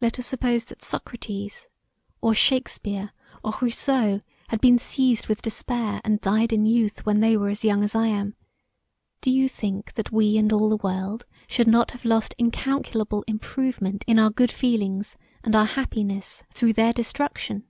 Let us suppose that Socrates, or Shakespear, or Rousseau had been seized with despair and died in youth when they were as young as I am; do you think that we and all the world should not have lost incalculable improvement in our good feelings and our happiness thro' their destruction.